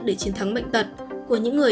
để chiến thắng bệnh tật của những người